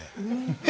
え？